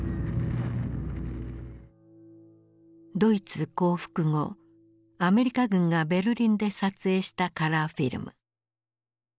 ドイツ降伏後アメリカ軍がベルリンで撮影したカラーフィルム。